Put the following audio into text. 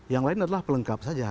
yang lain adalah pelengkap saja